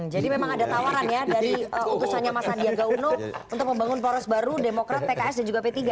jadi memang ada tawaran ya dari utusannya mas sandiaga uno untuk membangun polres baru demokrat pks dan juga p tiga